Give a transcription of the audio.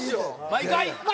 毎回？